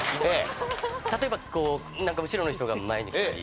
例えばこうなんか後ろの人が前に来たり。